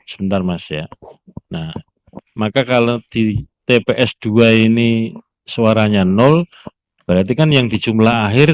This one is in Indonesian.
sebentar mas ya nah maka kalau di tps dua ini suaranya nol berarti kan yang dijumlah akhir